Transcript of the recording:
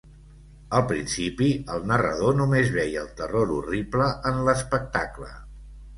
Al principi, el narrador només veia el terror horrible en l'espectacle.